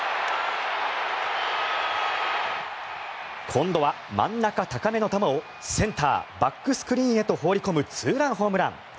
今度は真ん中高めの球をセンターバックスクリーンへと放り込むツーランホームラン。